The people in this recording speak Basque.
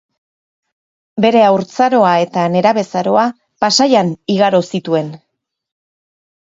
Bere haurtzaroa eta nerabezaroa Pasaian igaro zituen.